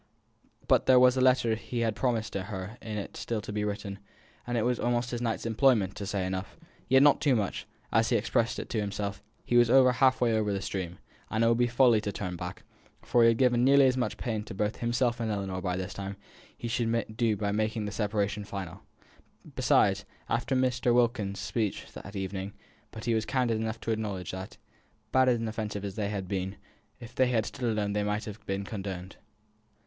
But there was the letter he had promised her in it still to be written; and it was almost his night's employment to say enough, yet not too much; for, as he expressed it to himself, he was half way over the stream, and it would be folly to turn back, for he had given nearly as much pain both to himself and Ellinor by this time as he should do by making the separation final. Besides, after Mr. Wilkins's speeches that evening but he was candid enough to acknowledge that, bad and offensive as they had been, if they had stood alone they might have been condoned.